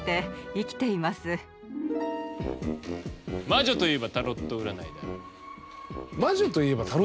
魔女といえばタロット占いなの？